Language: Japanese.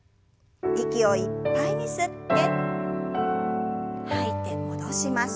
息をいっぱいに吸って吐いて戻します。